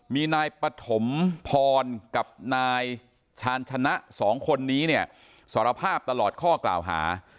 มีนายปฐมพรกับนายชาญชนะสองคนนี้เนี่ยสารภาพตลอดข้อกล่าวหา